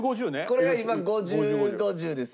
これが今５０５０ですね。